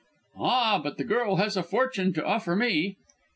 "Ah, but the girl has a fortune to offer me."